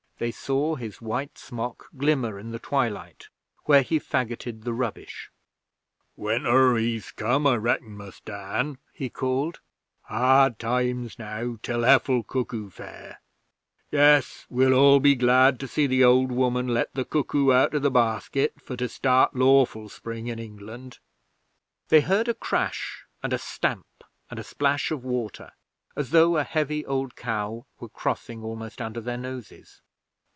They saw his white smock glimmer in the twilight where he faggoted the rubbish. 'Winter, he's come, I reckon, Mus' Dan,' he called. 'Hard times now till Heffle Cuckoo Fair. Yes, we'll all be glad to see the Old Woman let the Cuckoo out o' the basket for to start lawful Spring in England.' They heard a crash, and a stamp and a splash of water as though a heavy old cow were crossing almost under their noses.